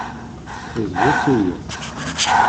D bu tuyat!